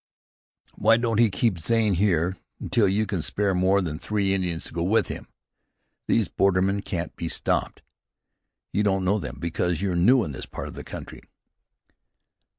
Why don't he keep Zane here until you can spare more than three Indians to go with him? These bordermen can't be stopped. You don't know them, because you're new in this part of the country."